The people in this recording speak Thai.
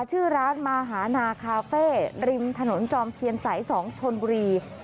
ชื่อร้านมาหานาคาเฟ่ริมถนนจอมเทียนสาย๒ชนบุรี